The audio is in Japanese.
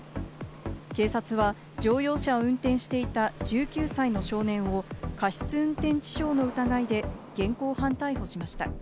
警察は乗用車を運転していた１９歳の少年を過失運転致傷の疑いで現行犯逮捕しました。